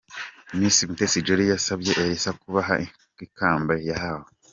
Miss Mutesi Jolly yasabye Elsa kubaha ikamba yahawe.